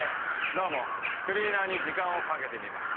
どうもクリーナーに時間をかけてみました。